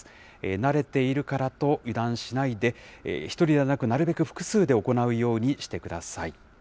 慣れているからと油断しないで、１人ではなく、なるべく複数で行うようにしてください。